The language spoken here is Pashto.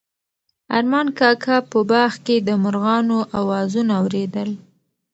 ارمان کاکا په باغ کې د مرغانو اوازونه اورېدل.